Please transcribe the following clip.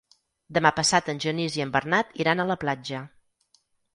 Demà passat en Genís i en Bernat iran a la platja.